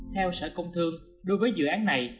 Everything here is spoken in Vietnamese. theo sở công thương đối với dự án này